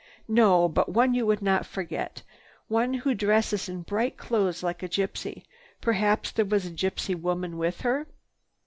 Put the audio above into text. "No, but one you would not forget. One who dresses in bright clothes like a gypsy. Perhaps there was a gypsy woman with her."